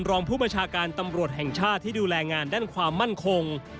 รองผู้ประชาการตำรวจแห่งชาติที่ดูแลงานด้านความมั่นคง